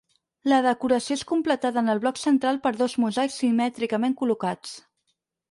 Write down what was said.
La decoració és completada en el bloc central per dos mosaics simètricament col·locats.